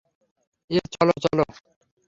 এ চলো, চলো।